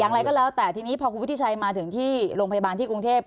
อย่างไรก็แล้วแต่ทีนี้พอคุณวุฒิชัยมาถึงที่โรงพยาบาลที่กรุงเทพ